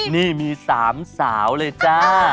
นี่มี๓สาวเลยจ้า